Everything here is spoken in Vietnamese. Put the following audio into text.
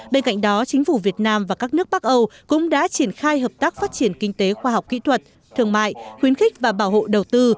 bên cạnh đó chính phủ việt nam và các nước bắc âu cũng đã triển khai hợp tác phát triển kinh tế khoa học kỹ thuật thương mại khuyến khích và bảo hộ đầu tư